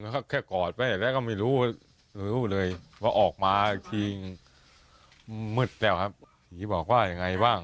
แค่กอดไปแล้วก็ไม่รู้เลยว่าออกมาทีมืดแล้วครับบอกว่ายังไงบ้าง